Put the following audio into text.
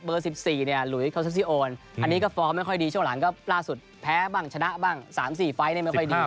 ๑๔เนี่ยหลุยเขาเซซี่โอนอันนี้ก็ฟอร์มไม่ค่อยดีช่วงหลังก็ล่าสุดแพ้บ้างชนะบ้าง๓๔ไฟล์นี่ไม่ค่อยดี